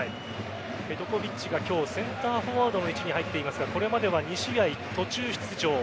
ペトコヴィッチが今日センターフォワードの位置に入っていますがこれまでは２試合途中出場。